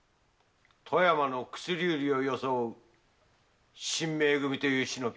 富山の薬売りを装う神盟組という「忍び」。